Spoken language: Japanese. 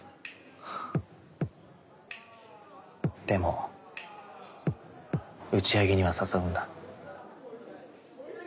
はぁでも打ち上げには誘うんだ？